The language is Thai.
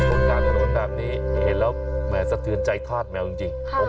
แมวครับโกรธโกนแบบนี้แมวจริงใจฆาตแมวจริง